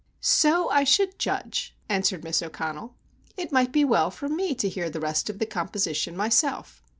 "So I should judge," answered Miss O'Connell. "It might be well for me to hear the rest of the composition myself.